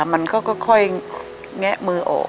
มันก็ค่อยแงะมือออก